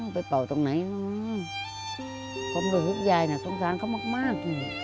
ไปต่อตรงไหนโหความรู้สึกยายน่ะก็ต้องสารเขามาก